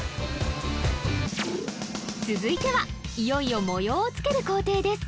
続いてはいよいよ模様をつける工程です